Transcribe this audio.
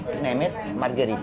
untuk menghormati margherita